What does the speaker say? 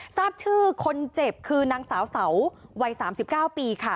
ทราบชื่อคนเจ็บคือนางสาวเสาวัย๓๙ปีค่ะ